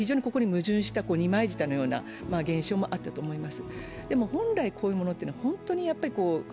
非常に矛盾した二枚舌のような現象もあったと思います。